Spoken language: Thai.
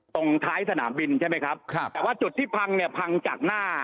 ตรงท้ายสนามบินใช่ไหมครับครับแต่ว่าจุดที่พังเนี่ยพังจากหน้า